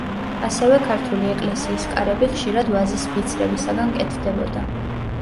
ასევე, ქართული ეკლესიის კარები ხშირად ვაზის ფიცრებისაგან კეთდებოდა.